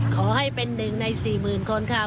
ขอให้เป็นหนึ่งใน๔๐๐๐๐คนค่ะ